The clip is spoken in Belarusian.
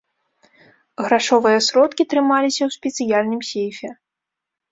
Грашовыя сродкі трымаліся ў спецыяльным сейфе.